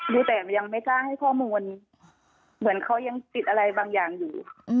ดูแต่ยังไม่กล้าให้ข้อมูลเหมือนเขายังติดอะไรบางอย่างอยู่